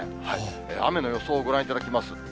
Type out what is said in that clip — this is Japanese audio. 雨の予想をご覧いただきます。